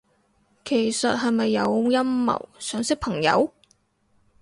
其實係咪有陰謀，想識朋友？